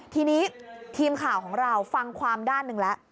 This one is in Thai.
ทีนี้ทีมข่าวของเราฟังความด้านหนึ่งแล้ว